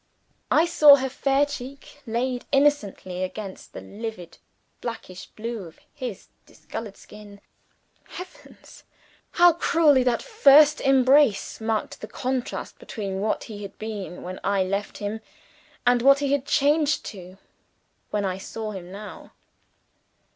I saw her fair cheek laid innocently against the livid blackish blue of his discolored skin. Heavens, how cruelly that first embrace marked the contrast between what he had been when I left him, and what he had changed to when I saw him now!